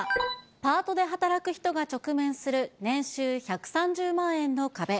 パートで働く人が直面する年収１３０万円の壁。